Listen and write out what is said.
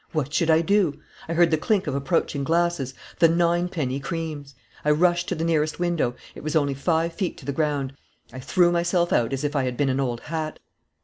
What should I do? I heard the clink of approaching glasses the ninepenny creams. I rushed to the nearest window. It was only five feet to the ground. I threw myself out as if I had been an old hat.